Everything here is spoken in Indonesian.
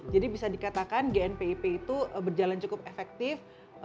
jadi bisa dikatakan gnpip itu berjalan cukup efektif